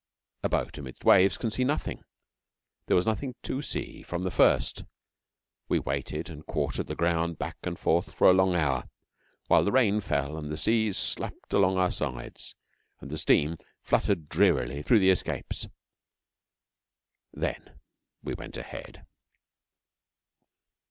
A boat amid waves can see nothing. There was nothing to see from the first. We waited and quartered the ground back and forth for a long hour, while the rain fell and the seas slapped along our sides, and the steam fluttered drearily through the escapes. Then we went ahead.